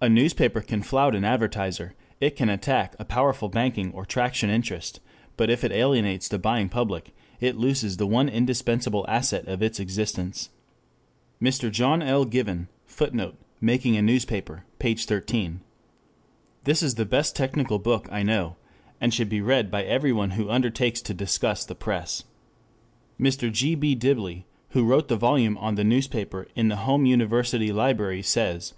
A newspaper can flout an advertiser, it can attack a powerful banking or traction interest, but if it alienates the buying public, it loses the one indispensable asset of its existence. Mr. John L. Given, [Footnote: Making a Newspaper, p. 13. This is the best technical book I know, and should be read by everyone who undertakes to discuss the press. Mr. G. B. Diblee, who wrote the volume on The Newspaper in the Home University Library says (p.